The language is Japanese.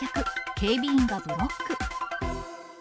警備員がブロック。